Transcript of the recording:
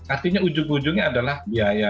artinya ujung ujungnya adalah biaya